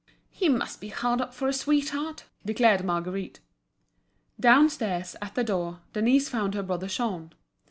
"He must be hard up for a sweetheart," declared Marguerite. Downstairs, at the door, Denise found her brother Jean.